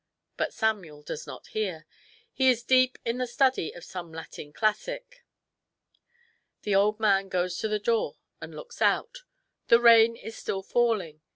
But Samuel does not hear. He is deep in the study of some Latin classic. The old man goes to the door and looks out. The rain is still falling.